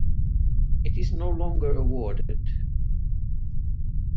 It is no longer awarded.